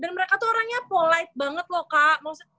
dan mereka tuh orangnya polite banget loh kak